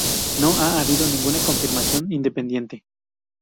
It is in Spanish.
No ha habido ninguna confirmación independiente.